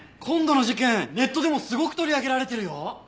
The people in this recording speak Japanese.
今度の事件ネットでもすごく取り上げられてるよ。